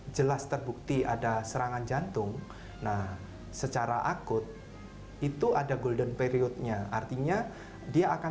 jelas terbukti ada serangan jantung nah secara akut itu ada golden period nya artinya dia akan